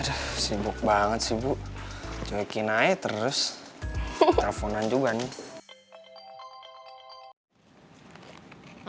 aduh sibuk banget sih bu cobaki naik terus teleponan juga nih